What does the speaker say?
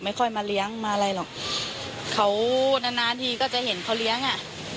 ไม่ค่อยมาเลี้ยงมาอะไรหรอกเขานานนานทีก็จะเห็นเขาเลี้ยงอ่ะ